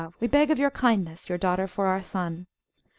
we beg of your kindness your daughter for our son.